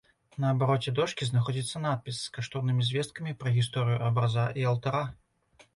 На абароце дошкі знаходзіцца надпіс з каштоўнымі звесткамі пра гісторыю абраза і алтара.